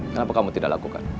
kenapa kamu tidak lakukan